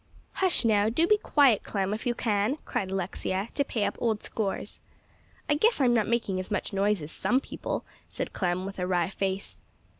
"Hush now, do be quiet, Clem, if you can," cried Alexia, to pay up old scores. "I guess I'm not making as much noise as some other people," said Clem, with a wry face.